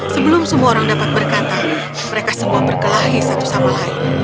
sebelum semua orang dapat berkata mereka semua berkelahi satu sama lain